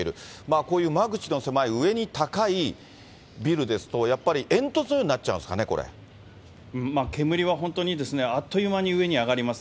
こういう間口の狭い上に高いビルですと、やっぱり煙突のようになっちゃうんですかね、煙は本当にあっという間に上に上がります。